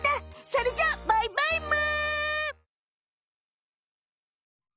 それじゃあバイバイむ！